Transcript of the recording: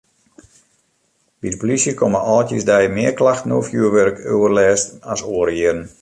By de polysje komme âldjiersdei mear klachten oer fjoerwurkoerlêst as oare jierren.